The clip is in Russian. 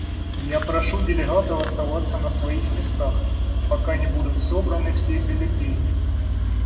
Я прошу делегатов оставаться на своих местах, пока не будут собраны все бюллетени.